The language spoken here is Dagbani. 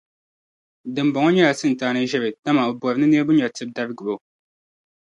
Dimbɔŋɔ nyɛla Sitani ʒiri dama o bori ni niriba nye tibidarigibo.